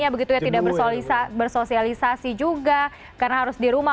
ini juga mereka tidak bertemu temannya begitu ya tidak bersosialisasi juga karena harus di rumah